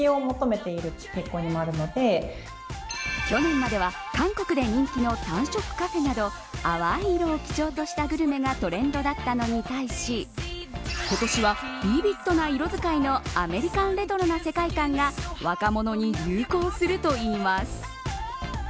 去年までは韓国で人気の淡色カフェなど淡い色を基調としたグルメがトレンドだったのに対し今年は、ビビッドな色使いのアメリカンレトロの世界観が若者に流行するといいます。